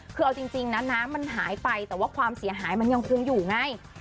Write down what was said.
คือเอาจริงนะน้ำมันหายไปแต่ว่าความเสียหายมันยังคงอยู่ไง